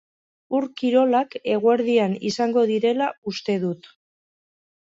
Ur-kirolak eguerdian izango direla uste dut.